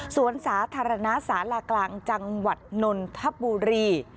สวนสาธารณะศาลากลางจังหวัดนนทบุรี